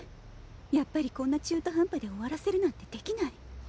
やっぱりこんな中途半端で終わらせるなんてできない。